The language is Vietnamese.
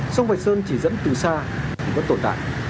sông vạch sơn chỉ dẫn từ xa thì vẫn tồn tại